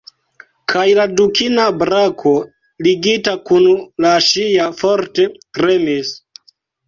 Kaj la dukina brako, ligita kun la ŝia, forte tremis.